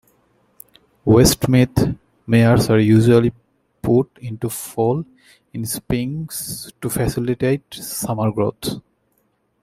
Westmeath mares are usually put into foal in spring to facilitate summer growth.